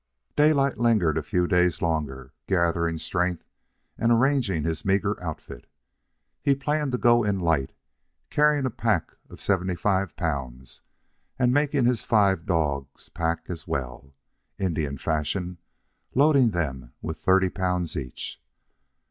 Daylight lingered a few days longer, gathering strength and arranging his meagre outfit. He planned to go in light, carrying a pack of seventy five pounds and making his five dogs pack as well, Indian fashion, loading them with thirty pounds each.